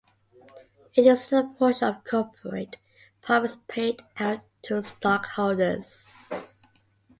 It is the portion of corporate profits paid out to stockholders.